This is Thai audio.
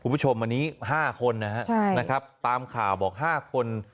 ผู้ชมกรณี๕คนนะครับตามข่าวบอก๕คน